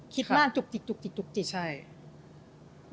คิดมากจุกจิต